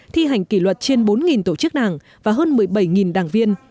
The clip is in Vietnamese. thi hành kỷ luật trên bốn tổ chức đảng và hơn một mươi bảy đảng viên